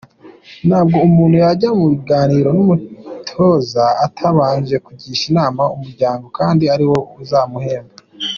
Ntabwo umuntu yajya mu biganiro n’umutoza atabanje kugisha inama umuryango kandi ariwo uzamuhemba.